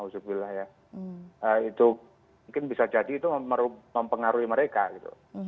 itu mungkin bisa jadi itu mempengaruhi mereka gitu